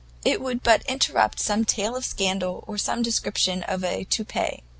it would but interrupt some tale of scandal, or some description of a toupee.